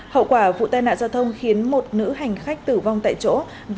hậu quả vụ tai nạn giao thông khiến một nữ hành khách tử vong tại chỗ